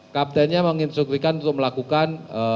kaptennya mengintusifikan untuk melakukan